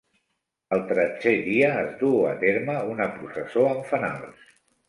El tretzè dia es duu a terme una processó amb fanals.